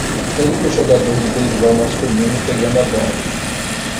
Único jogador de beisebol masculino pegando a bola